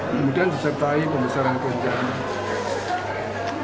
kemudian disertai pembesaran penjahat